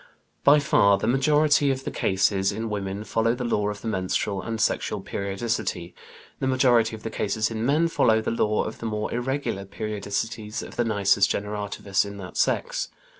By far the majority of the cases in women follow the law of the menstrual and sexual periodicity; the majority of the cases in men follow the law of the more irregular periodicities of the nisus generativus in that sex.